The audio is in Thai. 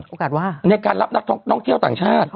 โอกาสว่างในการรับนักท่องเที่ยวต่างชาติ